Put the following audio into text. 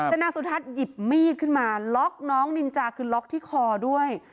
แต่นางสุทัศน์หยิบมีดขึ้นมาล็อกน้องนินจาคือล็อกที่คอด้วย